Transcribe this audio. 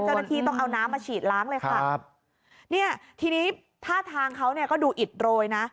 เจ้าหน้าที่ต้องเอาน้ำมาฉีดล้างเลยค่ะครับเนี่ยทีนี้ท่าทางเขาเนี่ยก็ดูอิดโรยนะ